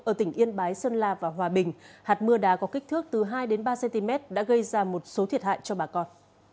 ở tỉnh yên bái sơn la và hòa bình hạt mưa đá có kích thước từ hai ba cm đã gây ra một số thiệt hại cho bà con